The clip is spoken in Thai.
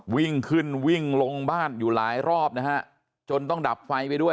วิ่งขึ้นวิ่งลงบ้านอยู่หลายรอบนะฮะจนต้องดับไฟไปด้วย